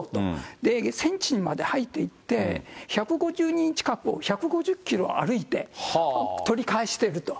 それで、戦地にまで入っていって、１５０人近くを１５０キロ歩いて取り返してると。